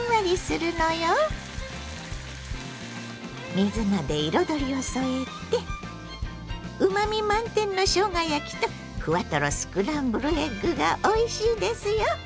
水菜で彩りを添えてうまみ満点のしょうが焼きとふわとろスクランブルエッグがおいしいですよ。